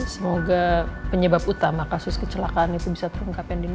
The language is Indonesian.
semoga penyebab utama kasus kecelakaan itu bisa terungkapin dini